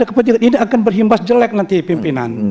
kepentingan ini akan berhimbas jelek nanti pimpinan